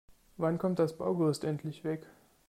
Wann kommt das Baugerüst endlich weg?